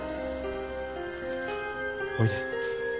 おいで。